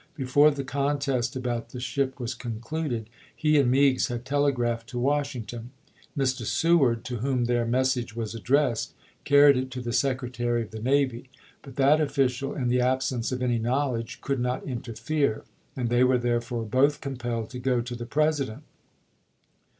Before the contest about the ship was concluded, he and Meigs had telegraphed to Washington. Mr. Seward, to whom their message was addressed, carried it to the Secretary of the Navy, but that official, in the absence of any knowledge, could not interfere, and they were therefore both compelled to go to the President.